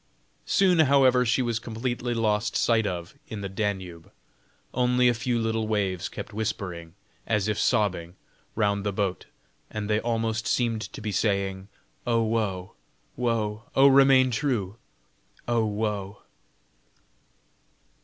Soon, however, she was completely lost sight of in the Danube; only a few little waves kept whispering, as if sobbing, round the boat, and they almost seemed to be saying: "Oh woe, woe! oh remain true! oh woe!"